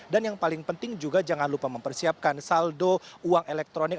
dan yang paling penting juga jangan lupa mempersiapkan saldo uang elektronik